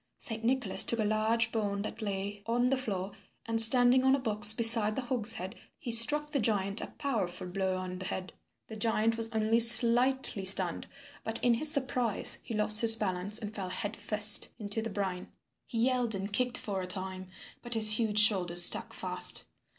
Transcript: Saint Nicholas took a large bone that lay on the floor, and standing on a box beside the hogshead he struck the giant a powerful blow on the head. The giant was only slightly stunned, but in his surprise he lost his balance, and fell head first into the brine. He yelled and kicked for a time, but his huge shoulders stuck fast.